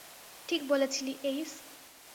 ঠিক বলেছিলি, এইস।